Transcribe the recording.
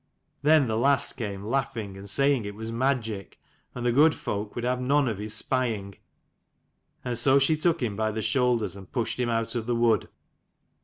Then the lass came laughing, and saying it was magic, and the good folk would have none of his spying; and so she took him by the shoulders and pushed him out of the wood.